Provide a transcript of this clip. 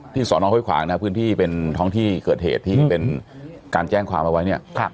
สอนองห้วยขวางนะพื้นที่เป็นท้องที่เกิดเหตุที่เป็นการแจ้งความเอาไว้เนี่ย